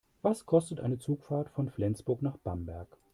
Was kostet eine Zugfahrt von Flensburg nach Bamberg?